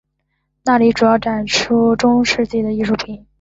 那里主要展出中世纪的艺术品。